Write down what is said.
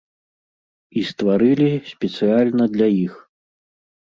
І стварылі спецыяльна для іх.